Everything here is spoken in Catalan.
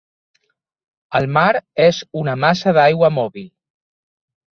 El mar és una massa d'aigua mòbil.